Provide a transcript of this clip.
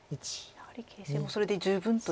やはり形勢もそれで充分という。